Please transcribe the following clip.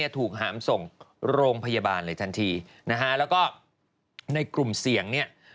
ถูกหามส่งโรงพยาบาลเลยทันทีนะฮะแล้วก็ในกลุ่มเสี่ยงเนี่ย